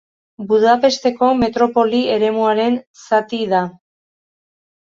Budapesteko metropoli eremuaren zati da.